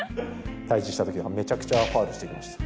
対じしたときはめちゃくちゃファウルしてきました。